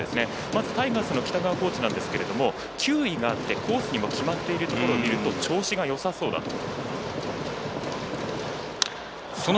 まずタイガースの北川コーチ球威があってコースにも決まっているところを見ると調子がよさそうだと。